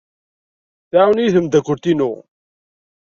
Tɛawen-iyi tmeddakelt-inu.